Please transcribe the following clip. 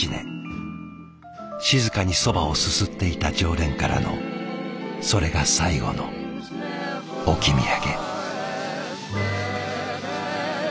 静かにそばをすすっていた常連からのそれが最後の置き土産。